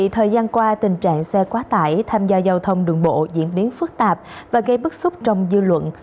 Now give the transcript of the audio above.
thời gian qua tình trạng xe quá tải tham gia giao thông đường bộ diễn biến phức tạp và gây bức xúc trong dư luận